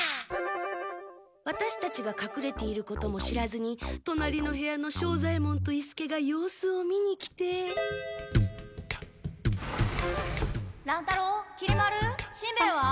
ワタシたちがかくれていることも知らずにとなりの部屋の庄左ヱ門と伊助が様子を見に来て。乱太郎きり丸しんべヱは？